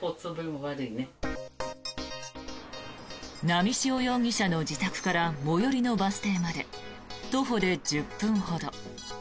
波汐容疑者の自宅から最寄りのバス停まで徒歩で１０分ほど。